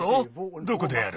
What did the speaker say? どこでやる？